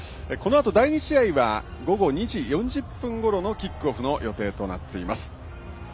第２試合は午後２時４０分ごろのキックオフの予定となっています。